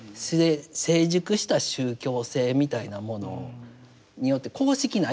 成熟した宗教性みたいなものによって公式ないわけですから。